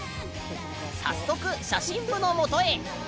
早速写真部のもとへ。